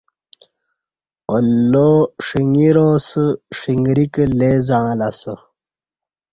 اللہ ݜنگرا اسہ ݜنگریکی لئے زعݩلہ اسہ